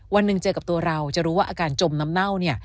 วันหนึ่งเจอกับตัวเราจะรู้ว่าอาการจมน้ำเน่าเนี่ย